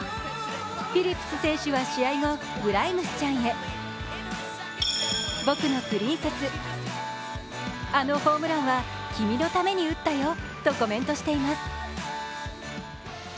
フィリップス選手は試合後グライムスちゃんへ僕のプリンセス、あのホームランは君のために打ったとコメント。